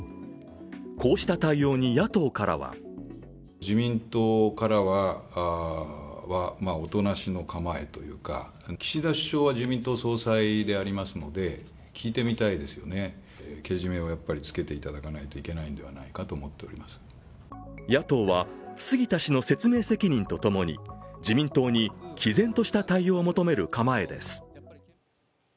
こうした対応に野党からは野党は杉田氏の説明責任とともに自民党にきぜんとした対応を求める構えです。